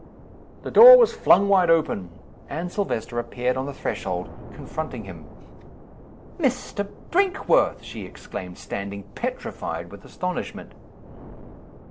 The door was flung wide open. Anne Silvester appeared on the threshold, confronting him. "Mr. Brinkworth!!!" she exclaimed, standing petrified with astonishment.